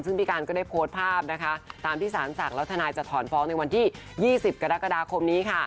ซึ่งพี่การก็ได้โพสต์ภาพนะคะตามที่สารสั่งแล้วทนายจะถอนฟ้องในวันที่๒๐กรกฎาคมนี้ค่ะ